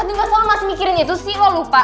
aduh gak salah lo masih mikirin itu sih lo lupa